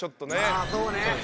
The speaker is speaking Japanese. まあそうね。